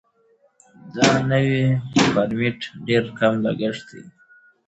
دا نوی فارمټ ډېر کم لګښت لري.